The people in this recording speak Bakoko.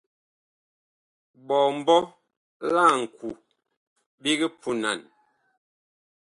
Ɓɔmbɔ la ŋku big punan.